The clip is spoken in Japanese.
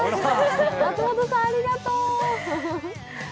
松本さん、ありがとう。